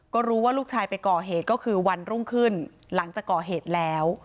ก็รู้ว่าลูกชายไปก่อเหตุก็คือวันรุ่งขึ้นหลังจากก่อเหตุแล้ว